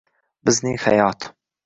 Bizning hayot